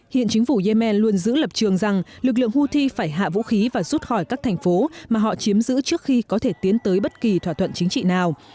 hiện chính phủ yemen luôn giữ lập trường rằng lực lượng houthi phải hạ vũ khí và rút khỏi các thành phố mà họ chiếm giữ trước khi có thể tiến tới bất kỳ thỏa thuận chính trị nào